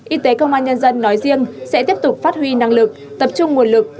y tế công an nhân dân nói riêng sẽ tiếp tục phát huy năng lực tập trung nguồn lực